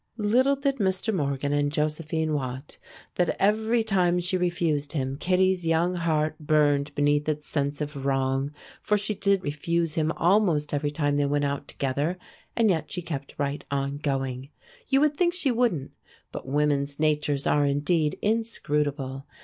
Little did Mr. Morgan and Josephine wot that every time she refused him Kittie's young heart burned beneath its sense of wrong, for she did refuse him almost every time they went out together, and yet she kept right on going. You would think she wouldn't, but women's natures are indeed inscrutable.